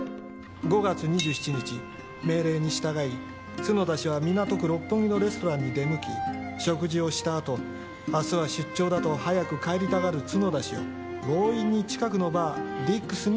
５月２７日命令に従い角田氏は港区六本木のレストランに出向き食事をしたあとあすは出張だと早く帰りたがる角田氏を強引に近くのバー「ディックス」に連れ出した。